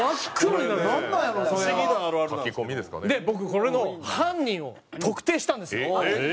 僕これの犯人を特定したんですよ。